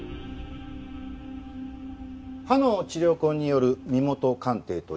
歯の治療痕による身元鑑定というのはですね